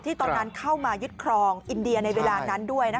ตอนนั้นเข้ามายึดครองอินเดียในเวลานั้นด้วย